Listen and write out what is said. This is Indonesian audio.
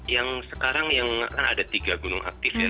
yang sekarang yang kan ada tiga gunung aktif ya